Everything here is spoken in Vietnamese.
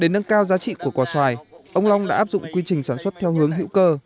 để nâng cao giá trị của quả xoài ông long đã áp dụng quy trình sản xuất theo hướng hữu cơ